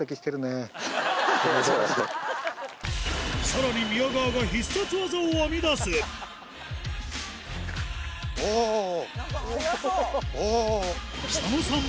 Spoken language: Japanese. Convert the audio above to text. さらに宮川が必殺技を編み出す佐野さん